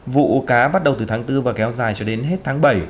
vụ cá bắt đầu từ tháng bốn và kéo dài cho đến hết tháng bảy